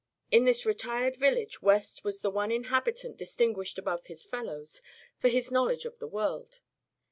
In this retired village West was the one inhabitant distinguished above his fellows for his knowledge of the world.